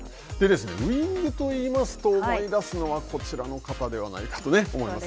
ウイングといいますと、思い出すのは、こちらの方ではないかと、思います。